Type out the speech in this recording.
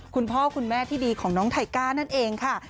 คุณพ่อคุณแม่ที่ดีของน้องไทก้านั่นเองค่ะ